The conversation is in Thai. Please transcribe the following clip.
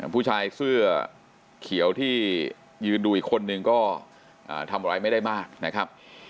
ผู้ชายเสื้อเขียวที่ยืนดูอีกคนนึงก็ทำอะไรไม่ได้มากนะครับ